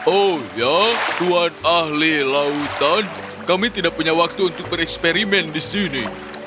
oh ya tuan ahli lautan kami tidak punya waktu untuk bereksperimen di sini